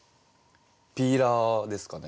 ピーラーですかね。